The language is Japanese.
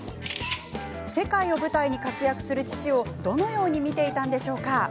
世界を舞台に活躍する父をどのように見ていたのでしょうか。